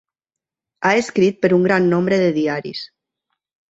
Ha escrit per un gran nombre de diaris.